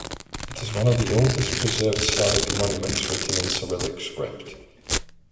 It is one of the oldest preserved Slavic monuments written in Cyrillic script.